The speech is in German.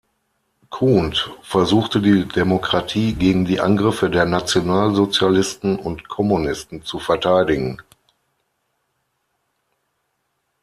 Kuhnt versuchte die Demokratie gegen die Angriffe der Nationalsozialisten und Kommunisten zu verteidigen.